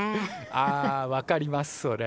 ああ分かりますそれ。